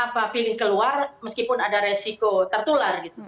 pilih keluar meskipun ada resiko tertular gitu